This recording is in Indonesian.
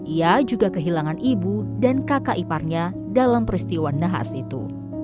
ia juga kehilangan ibu dan kakak iparnya dalam peristiwa nahas itu